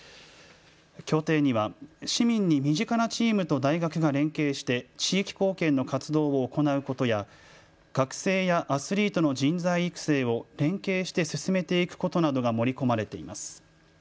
協定には市民に身近なチームと大学が連携して地域貢献の活動を行うことや、学生やアスリートの人材育成を連携して進めていくことなどが盛り込まれています。